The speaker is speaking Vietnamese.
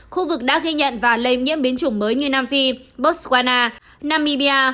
khu vực đã ghi nhận và lây nhiễm biến chủng mới như nam phi botswana namibia